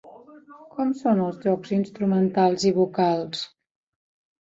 Com són els jocs instrumentals i vocals?